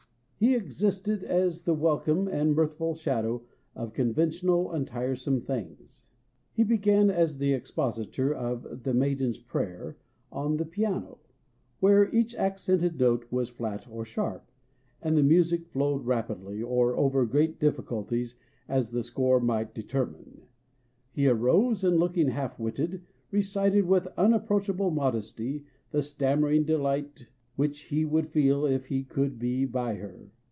He existed as the welcome and mirthful shadow of conventional and tiresome things. He began as the expositor of "The Maiden s Prayer" on the piano, where each accented note was flat or sharp, and the music flowed rapidly, or over great difficulties, as the score might determine. He arose, and looking half witted, recited with unapproachable modest} the stammering delight which he would feel if he could be by Her